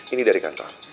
ini dari kantor